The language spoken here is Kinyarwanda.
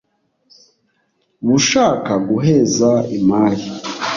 bushaka guheza imari